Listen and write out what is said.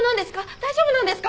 大丈夫なんですか？